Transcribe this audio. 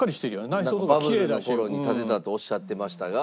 バブルの頃に建てたとおっしゃってましたが。